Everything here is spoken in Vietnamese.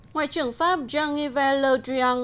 ngoại trưởng pháp jean yves le drian